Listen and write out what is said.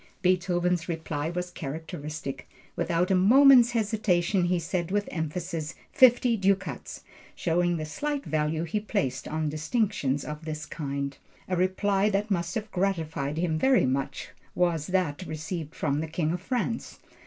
Beethoven's reply was characteristic. Without a moment's hesitation he said with emphasis, "fifty ducats!" showing the slight value he placed on distinctions of this kind. A reply that must have gratified him very much was that received from the King of France.